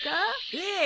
ええ。